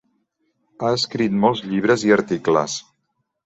Ha escrit molts llibres i articles.